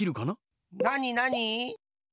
なになに？